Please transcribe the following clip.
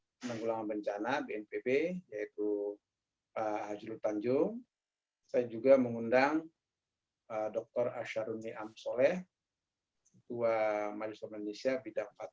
hilal berk delight ya amaran persiapkan jawaban pertanyaan teman teman wartawan saya menyampaikan secara umum tentanguembongan pembelajar ketanpa semoga berhasil untuk capai pikir terhubung dan tak terhubung dalam karbankom